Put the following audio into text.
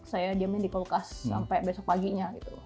saya diamin di kulkas sampai besok paginya gitu